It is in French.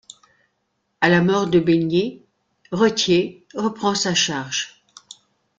À la mort de Besnier, Roettiers reprend sa charge.